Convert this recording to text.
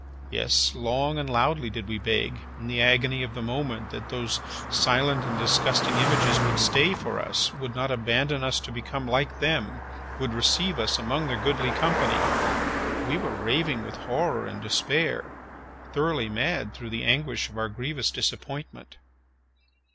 Yes, long and loudly did we beg, in the agony of the moment, that those silent and disgusting images would stay for us, would not abandon us to become like them, would receive us among their goodly company! We were raving with horror and despair—thoroughly mad through the anguish of our grievous disappointment.